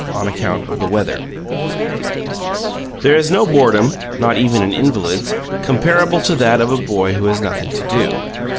ON ACCOUNT OF THE WEATHER There is no boredom (not even an invalid's) comparable to that of a boy who has nothing to do.